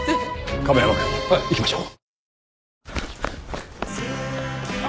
亀山くん行きましょう。